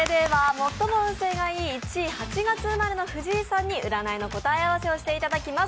最も運勢がいい１位、８月生まれの藤井さんに占いの答え合わせをしていただきます。